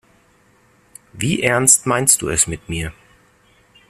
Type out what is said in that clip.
Wie ernst meinst du es mit mir?